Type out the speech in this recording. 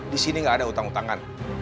disini gak ada utang utangan